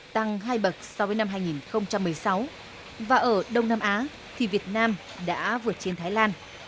tăng hai bậc so với năm hai nghìn một mươi sáu và ở đông nam á thì việt nam đã vượt trên thái lan